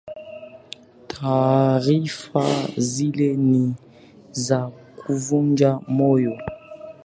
Taarifa zile ni za kuvunja moyo